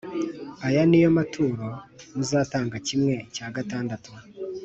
Aya ni yo maturo muzatanga kimwe cya gatandatu